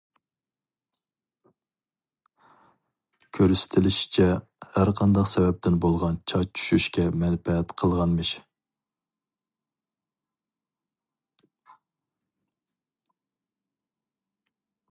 كۆرسىتىلىشىچە ھەر قانداق سەۋەبتىن بولغان چاچ چۈشۈشكە مەنپەئەت قىلغانمىش.